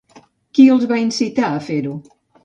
Qui els va incitar a fer-ho?